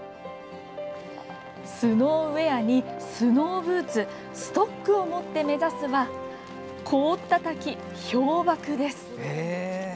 スノーウエアにスノーブーツストックを持って目指すは凍った滝、氷瀑です。